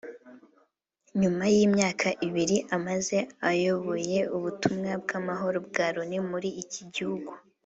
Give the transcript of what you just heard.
nyuma y’imyaka ibiri amaze ayoboye ubutumwa bw’amaharo bwa Loni muri iki gihugu